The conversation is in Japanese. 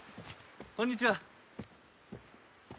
こんにちは。